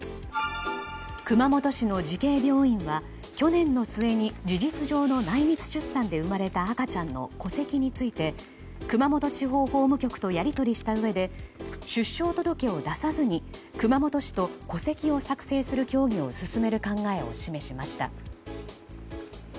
熊本市の慈恵病院は去年の末に事実上の内密出産で生まれた赤ちゃんの戸籍について、熊本地方法務局とやり取りしたうえで出生届を出さずに熊本市と戸籍を作成する協議を進める考えを示しました。